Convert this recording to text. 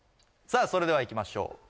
それではいきましょう